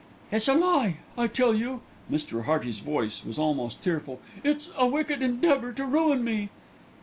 "It's a lie, I tell you." Mr. Hearty's voice was almost tearful. "It's a wicked endeavour to ruin me."